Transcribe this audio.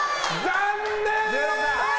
残念！